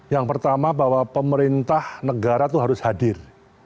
yang pertama bahwa pemerintah negara itu harus hadir